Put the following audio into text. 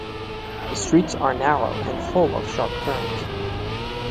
The streets are narrow and full of sharp turns.